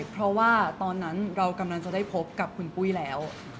เพราะว่าตอนนั้นเรากำลังจะได้พบกับคุณปุ้ยแล้ว